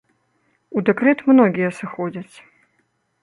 У дэкрэт многія сыходзяць.